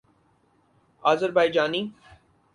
Azerbaijani